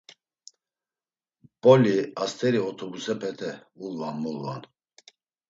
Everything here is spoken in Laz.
Mp̌oli hast̆eri otopusepete ulvan mulvan.